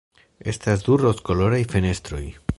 Estas du rozkoloraj fenestroj.